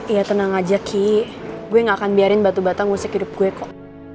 ya tenang aja ki gue gak akan biarin batu batang musik hidup gue kok